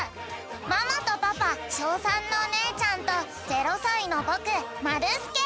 ママとパパ小３のおねえちゃんと０さいのぼくまるすけ。